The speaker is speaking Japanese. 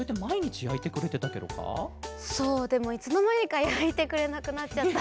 でもいつのまにかやいてくれなくなっちゃったんだけど。